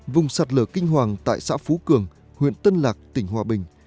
vùng sạt lở kinh hoàng tại xã phú cường huyện tân lạc tỉnh hòa bình